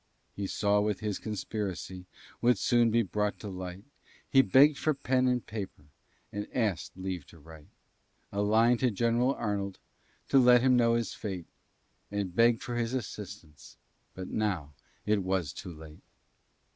He saw that his conspiracy Would soon be brought to light; He begg'd for pen and paper, And askèd leave to write A line to General Arnold, To let him know his fate, And beg for his assistance; But now it was too late.